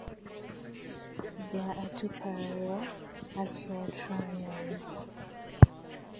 There are two parallel asphalt runways.